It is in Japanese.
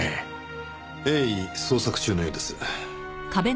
鋭意捜索中のようです。